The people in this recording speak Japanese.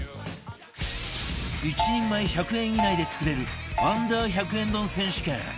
１人前１００円以内で作れる Ｕ−１００ 円丼選手権